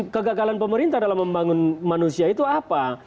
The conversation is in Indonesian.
kegagalan pemerintah dalam membangun manusia itu apa